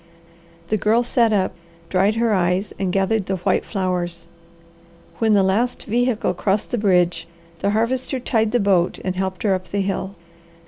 The Girl sat up, dried her eyes and gathered the white flowers. When the last vehicle crossed the bridge, the Harvester tied the boat and helped her up the hill.